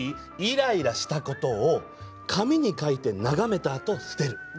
イライラしたことを紙に書いて眺めたあとに捨てる。